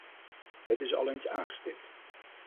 Het is al eens aangestipt.